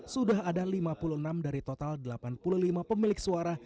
sudah ada lima puluh enam dari total delapan puluh lima pemilik suara